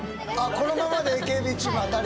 このままでＡＫＢチームは当たり？